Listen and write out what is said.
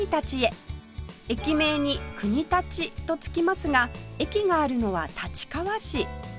駅名に国立とつきますが駅があるのは立川市